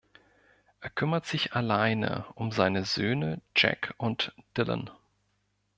Er kümmert sich alleine um seine Söhne Jack und Dylan.